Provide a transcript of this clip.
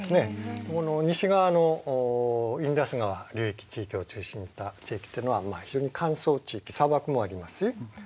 ここの西側のインダス川流域地域を中心にした地域っていうのは非常に乾燥地域砂漠もありますし。